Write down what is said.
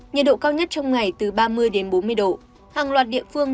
nhiệt độ cao nhất trong ngày từ ba mươi bốn mươi độ